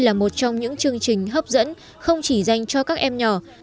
là một trong những chương trình hấp dẫn không chỉ dành cho các em nhỏ